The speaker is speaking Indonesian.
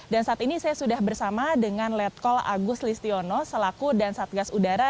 dan saat ini saya sudah bersama dengan letkol agus listiono selaku dan satgas udara